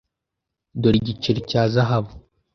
Dore igiceri cya zahabu.